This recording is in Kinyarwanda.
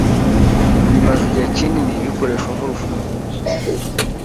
bimaze igihe kinini bikoreshwa nk "urufunguzo